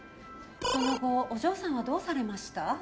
その後お嬢さんはどうされました？